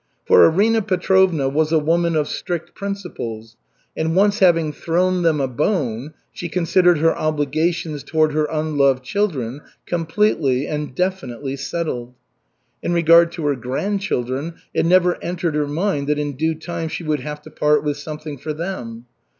For Arina Petrovna was a woman of strict principles, and once having "thrown them a bone," she considered her obligations toward her unloved children completely and definitely settled. In regard to her grandchildren it never entered her mind that in due time she would have to part with something for them.